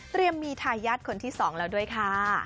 เตรียมมีทายยัดคนที่สองแล้วด้วยค่ะ